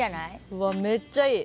うわめっちゃいい。